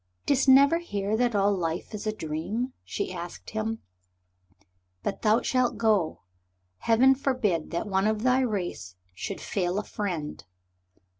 "Didst never hear that all life is a dream?" she asked him. "But thou shalt go. Heaven forbid that one of thy race should fail a friend.